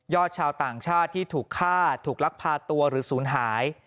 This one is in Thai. ชาวต่างชาติที่ถูกฆ่าถูกลักพาตัวหรือศูนย์หาย